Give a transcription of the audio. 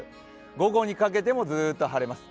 午後にかけてもずっと晴れます。